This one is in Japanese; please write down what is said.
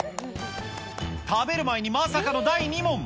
食べる前にまさかの第２問。